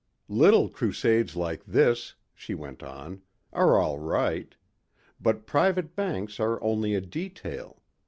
"Little crusades like this," she went on, "are all right. But private banks are only a detail.